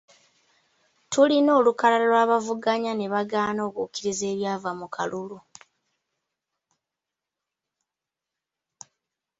Tulina olukalala lw'abaavuganya ne bagaana okukkiriza ebyava mu kalulu